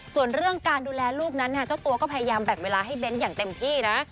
ส่วนเรื่องการดูแลลูกนั้นเจ้าตัวก็พยายามแบ่งเวลาให้เบ้นอย่างเต็มที่นะ